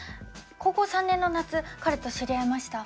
高校３年の夏彼と知り合いました。